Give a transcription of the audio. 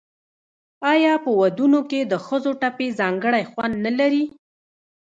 آیا په ودونو کې د ښځو ټپې ځانګړی خوند نلري؟